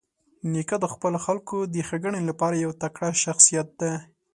نیکه د خپلو خلکو د ښېګڼې لپاره یو تکړه شخصیت دی.